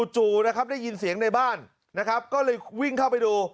จู่นะครับได้ยินเสียงในบ้านนะครับก็เลยวิ่งเข้าไปดู